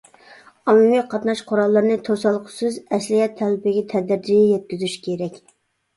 ئاممىۋى قاتناش قوراللىرىنى توسالغۇسىز ئەسلىھە تەلىپىگە تەدرىجىي يەتكۈزۈش كېرەك.